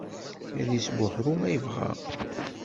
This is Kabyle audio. Ad isbuḥru ma yebɣa.